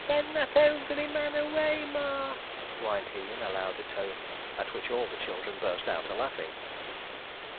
'Send that ogl e y man away, ma!' whined he, in a louder tone, at which all the children burst out a laughing.